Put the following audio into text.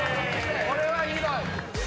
これはひどい。